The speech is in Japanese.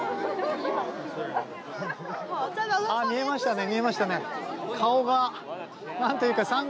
見えましたね見えましたね。